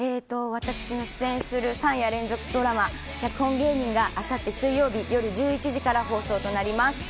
私の出演する３夜連続ドラマ「脚本芸人」があさって水曜日夜１１時から放送となります。